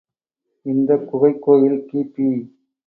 இந்தக் குகைக் கோயில் கி.பி.